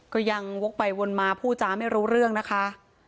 ก็ยังวกไปวนมาพูดจาไม่รู้เรื่องนะคะ